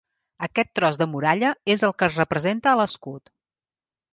Aquest tros de muralla és el que es representa a l'escut.